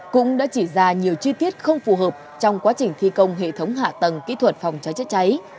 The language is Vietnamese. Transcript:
cũng đã chỉ ra nhiều chi tiết không phù hợp trong quá trình thi công hệ thống hạ tầng kỹ thuật phòng cháy chữa cháy